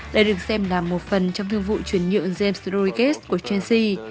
đã được xem là một phần trong thương vụ chuyển nhượng james rodriguez của chelsea